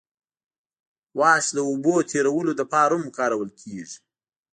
واش د اوبو تیرولو لپاره هم کارول کیږي